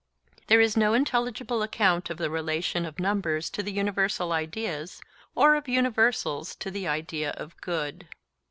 There is no intelligible account of the relation of numbers to the universal ideas, or of universals to the idea of good.